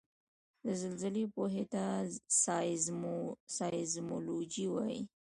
د زلزلې پوهې ته سایزمولوجي وايي